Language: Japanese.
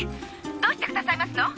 どうしてくださいますの！